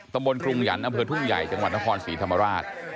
บนกรุงหยันต์อำเภอทุ่งใหญ่จังหวัดนครศรีธรรมราช